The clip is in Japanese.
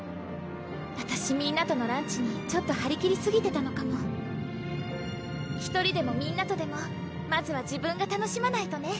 わたしみんなとのランチにちょっとはりきりすぎてたのかも１人でもみんなとでもまずは自分が楽しまないとね